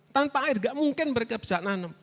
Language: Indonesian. tanpa air enggak mungkin mereka bisa nanem